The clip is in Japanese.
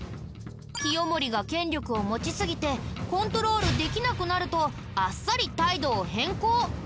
清盛が権力を持ちすぎてコントロールできなくなるとあっさり態度を変更。